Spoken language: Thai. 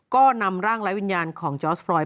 ก็นำร่างและวิญญาณของจอร์สรอยด